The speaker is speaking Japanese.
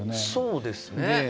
そうですね。